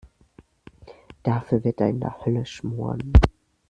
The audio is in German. Dafür wird er in der Hölle schmoren.